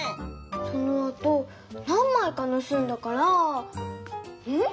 そのあと何まいかぬすんだからん？